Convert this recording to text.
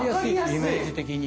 イメージ的に。